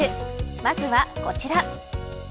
まずは、こちら。